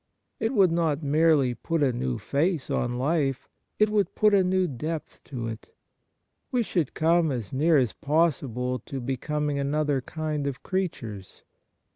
It would not merely put a new face on life : it would put a new depth to it. We should come as near as possible to becoming another kind of creatures.